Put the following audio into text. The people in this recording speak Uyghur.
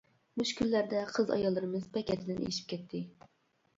مۇشۇ كۈنلەردە قىز ئاياللىرىمىز بەك ھەددىدىن ئېشىپ كەتتى.